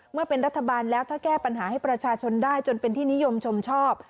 เมื่อเป็นรัฐบาลแล้วถ้าแก้ปัญหาให้ประชาชนได้จนเป็นที่นิยมชมชอบ